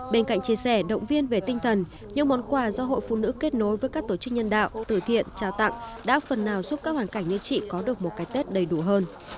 bên cạnh chia sẻ động viên về tinh thần những món quà do hội phụ nữ kết nối với các tổ chức nhân đạo tử thiện trao tặng đã phần nào giúp các hoàn cảnh như chị có được một cái tết đầy đủ hơn